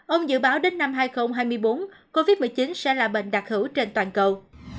ông dự báo đến năm hai nghìn hai mươi bốn covid một mươi chín sẽ là bệnh đặc hữu trên toàn cầu